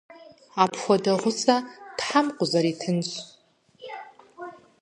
Апхуэдэ гъусэ Тхьэм къузэритынщ.